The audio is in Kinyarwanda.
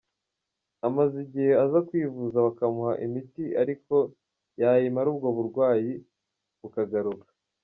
Amaze igihe aza kwivuza bakamuha imiti ariko yayimara ubwo burwayi bukagaruka.